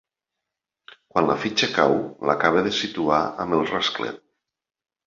Quan la fitxa cau l'acaba de situar amb el rasclet.